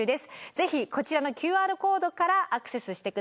是非こちらのＱＲコードからアクセスしてください。